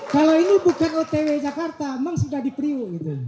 kalau ini bukan otw jakarta memang sudah di priuk gitu